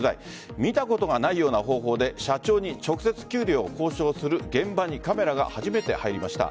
見たことがないような方法で社長に直接給料を交渉する現場にカメラが初めて入りました。